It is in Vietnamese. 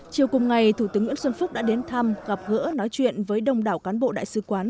chiều cùng ngày thủ tướng nguyễn xuân phúc đã đến thăm gặp gỡ nói chuyện với đông đảo cán bộ đại sứ quán